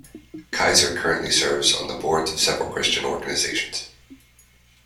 Kaiser currently serves on the boards of several Christian organizations.